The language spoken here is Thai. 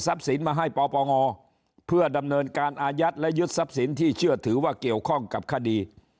สินมาให้ปปงเพื่อดำเนินการอายัดและยึดทรัพย์สินที่เชื่อถือว่าเกี่ยวข้องกับคดี